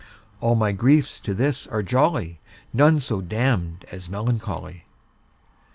All my griefs to this are jolly, None so damn'd as melancholy.